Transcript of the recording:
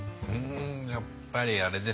やっぱりあれですね